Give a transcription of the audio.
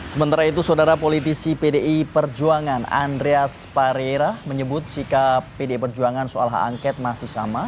sementara itu saudara politisi pdi perjuangan andreas pareira menyebut sikap pdi perjuangan soal hak angket masih sama